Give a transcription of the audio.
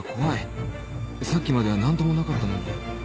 さっきまでは何ともなかったのに